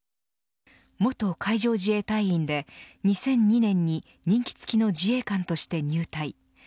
元海上自衛隊員で、２００２年に任期付きの自衛官として入隊。